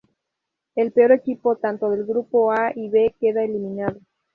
El peor equipo tanto del grupo A y B queda eliminado.